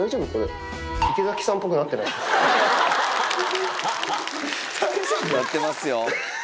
なってますよ。